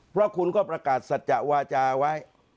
เพราะคุณก็ประกาศสัจจะวาจาไว้